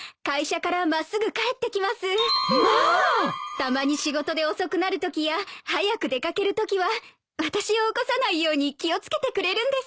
たまに仕事で遅くなるときや早く出掛けるときは私を起こさないように気を付けてくれるんです。